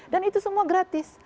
dan itu semua gratis